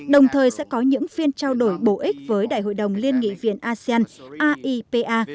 đồng thời sẽ có những phiên trao đổi bổ ích với đại hội đồng liên nghị viện asean aipa